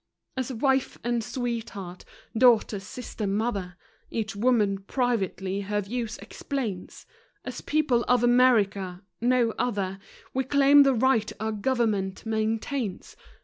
As wife and sweetheart, daughter, sister, mother, Each woman privately her views explains; As people of America no other We claim the right our government maintains.